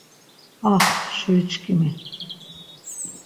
Ax şuriçkimi.